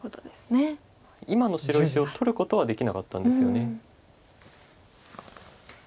今の白石を取ることはできなかったんですよね。